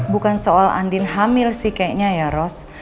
bukan soal andin hamil sih kayaknya ya ros